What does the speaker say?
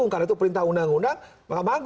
karena itu perintah undang undang mk